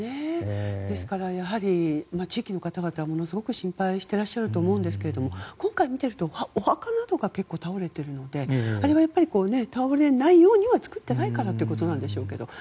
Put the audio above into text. ですから、やはり地域の方々はすごく心配していらっしゃると思うんですけど今回、見ているとお墓などが結構倒れているのであれは倒れないようには作ってないからということなんでしょうけども。